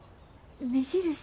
目印。